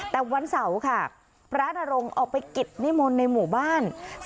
แต่วันเสาร์ค่ะพระนรงค์ออกไปกิจนิมนต์ในหมู่บ้าน